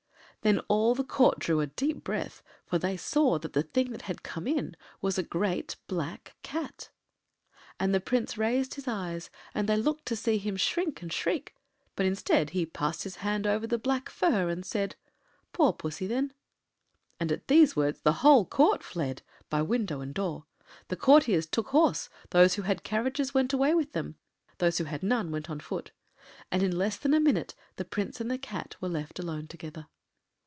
Then all the Court drew a deep breath, for they saw that the thing that had come in was a great black Cat. And the Prince raised his eyes, and they looked to see him shrink and shriek; but instead he passed his hand over the black fur and said— “Poor Pussy, then!” And at these words the whole Court fled—by window and door. The courtiers took horse, those who had carriages went away in them, those who had none went on foot, and in less than a minute the Prince and the Cat were left alone together.